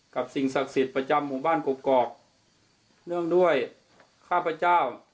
สิ่งศักดิ์สิทธิ์ประจำหมู่บ้านกอกเนื่องด้วยข้าพเจ้า